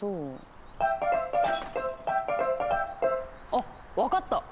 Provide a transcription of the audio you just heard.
あっ分かった。